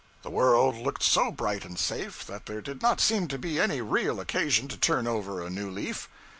The world looked so bright and safe that there did not seem to be any real occasion to turn over a new leaf.